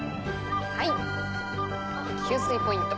はい給水ポイント。